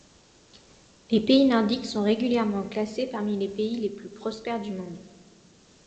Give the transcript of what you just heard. Les pays nordiques sont régulièrement classés parmi les pays les plus prospères du monde.